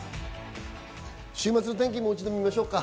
週末の天気をもう一度見ましょうか。